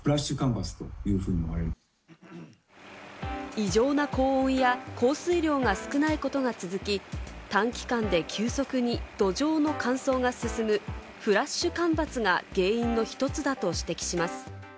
異常な高温や降水量が少ないことが続き、短期間で急速に土壌の乾燥が進む、フラッシュ干ばつが原因の一つだと指摘します。